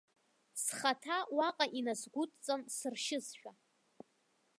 Схаҭа уаҟа инасгәыдҵан сыршьызшәа.